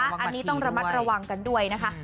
อันนี้ต้องระมัดระวังกันด้วยนะคะ